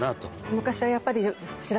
昔はやっぱり。